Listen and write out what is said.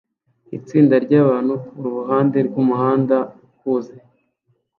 Itsinda ryabantu kuruhande rwumuhanda uhuze